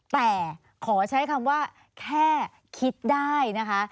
แต่ขอใช้คำว่าแค่คิดได้นะคะ